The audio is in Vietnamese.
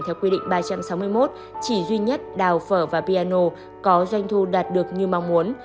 theo quy định ba trăm sáu mươi một chỉ duy nhất đào phở và piano có doanh thu đạt được như mong muốn